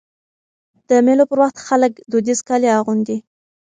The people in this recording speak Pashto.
د مېلو پر وخت خلک دودیز کالي اغوندي.